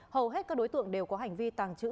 hầu hết các đối tượng đều có hành vi tàng trữ